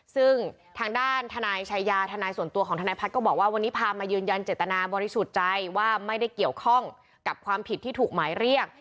ซึ่งทางด้านทนายชายาทนายส่วนตัวของทนายพัฒน์ก็บอกว่าวันนี้พามายืนยันเจตนาบริสุทธิ์ใจว่าไม่ได้เกี่ยวข้องกับความผิดที่ถูกหมายเรียก